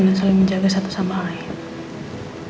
dan saling menjaga satu sama lain